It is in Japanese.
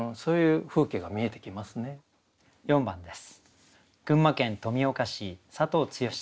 ４番です。